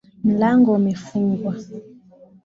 Mlango umefungwa